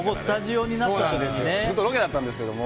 ずっとロケだったんですけど。